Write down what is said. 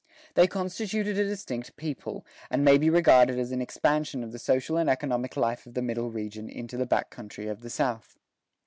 They constituted a distinct people, and may be regarded as an expansion of the social and economic life of the middle region into the back country of the South.